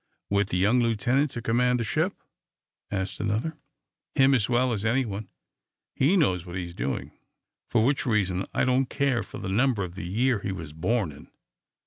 "With the young lieutenant to command the ship?" asked another. "Him as well as anyone. He knows what he's doing, for which reason I don't care for the number of the year he was born in.